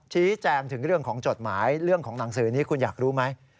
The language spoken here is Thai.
ชี้แจงถึงเรื่องของจดหมายเรื่องของหนังสือนี้คุณอยากรู้ไหม